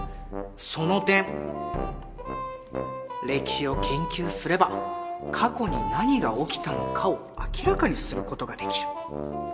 その点歴史を研究すれば過去に何が起きたのかを明らかにすることができる。